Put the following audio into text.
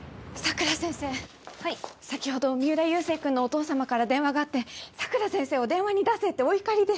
先ほど三浦佑星君のお父様から電話があって佐倉先生を電話に出せってお怒りで。